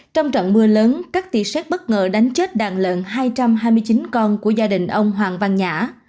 trong trận mưa lớn các tỉ sát bất ngờ đánh chết đàn lợn hai trăm hai mươi chín con của gia đình ông hoàng văn nhã